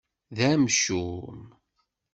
D amcum.